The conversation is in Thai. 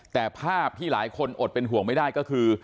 แต่ภาพที่หลายคนอดเป็นห่วงไม่ได้ก็คือ